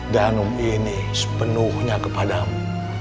danu ini sepenuhnya kepadamu